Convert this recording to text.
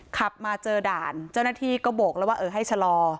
ขับมาเจอด่านเจ้าหน้าที่ก็โบกแล้วว่าเออให้ชะลอ